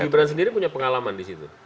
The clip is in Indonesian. gibran sendiri punya pengalaman di situ